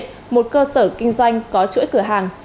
công an tp đà nẵng đã phát hiện một cơ sở kinh doanh có chuỗi cửa hàng